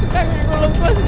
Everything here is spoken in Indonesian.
kami gue lompat